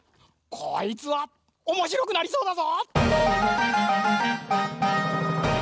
こいつはおもしろくなりそうだぞ！